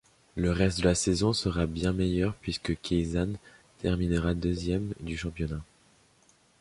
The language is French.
Le reste de la saison sera bien meilleure puisque Keizan terminera deuxième du championnat.